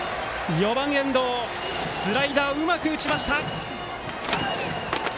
４番、遠藤スライダーをうまく打ちました！